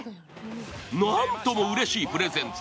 なんともうれしいプレゼント。